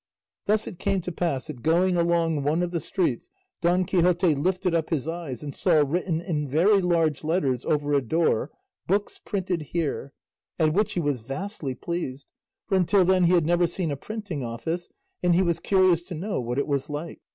Thus it came to pass that going along one of the streets Don Quixote lifted up his eyes and saw written in very large letters over a door, "Books printed here," at which he was vastly pleased, for until then he had never seen a printing office, and he was curious to know what it was like.